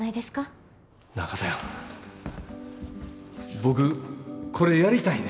僕これやりたいねん。